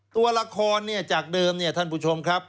ตัวละครจากเดิมท่านผู้ชมครับ